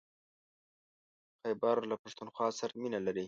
خيبر له پښتونخوا سره مينه لري.